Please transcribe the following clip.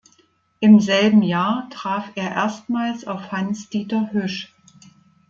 Im selben Jahr traf er erstmals auf Hanns Dieter Hüsch.